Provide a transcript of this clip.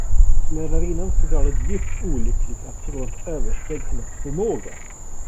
Lärarinnan förklarade djupt olycklig, att sådant översteg hennes förmåga.